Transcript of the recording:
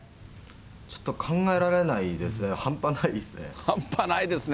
ちょっと考えられないですね、半端ないですね。